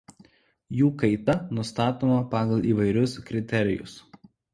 Jų kaita nustatoma pagal įvairius kriterijus.